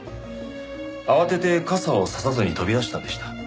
慌てて傘を差さずに飛び出したんでした。